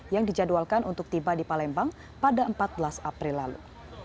yang dijadwalkan untuk tiba di palembang pada empat belas april lalu